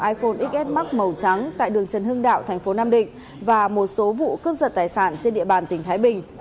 iphone xs max màu trắng tại đường trần hưng đạo tp nam định và một số vụ cướp giật tài sản trên địa bàn tỉnh thái bình